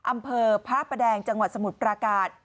อำเภอพระประแดงจังหวัดสมุทรปราการ